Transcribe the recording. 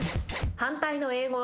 反対の英語は？